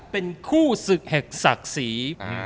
เป็นคู่ศุษยศักดิ์ศรี